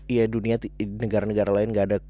iya dunia negara negara lain gak ada